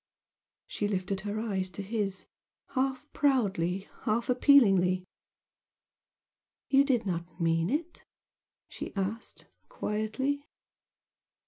She lifted her eyes to his, half proudly half appealingly. "You did not mean it?" she asked, quietly.